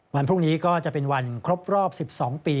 วันพรุ่งนี้ก็จะเป็นวันครบรอบ๑๒ปี